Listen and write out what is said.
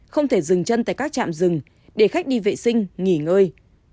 không thể dừng chân tại các trạm rừng để khách đi vệ sinh nghỉ ngơi